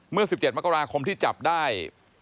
เมื่อ๑๗มกราคมที่จับได้